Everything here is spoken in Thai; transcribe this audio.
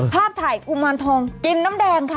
ภาพถ่ายกุมารทองกินน้ำแดงค่ะ